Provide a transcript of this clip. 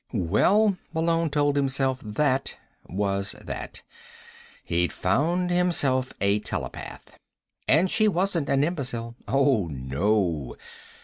Well, Malone told himself, that was that. He'd found himself a telepath. And she wasn't an imbecile. Oh, no.